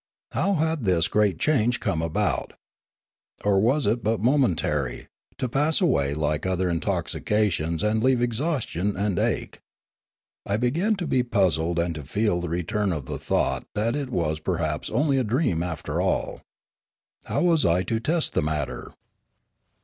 How had this great change come about ? Or was it but momentary* to pass away like other intoxications and leave ex haustion and ache ? I began to be puzzled and to feel the return of the thought that it was perhaps only a dream after all. How was I to test the matter